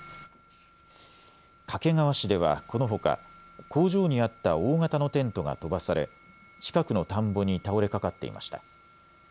掛川市ではこのほか工場にあった大型のテントが飛ばされ、近くの田んぼに倒れかかっていました。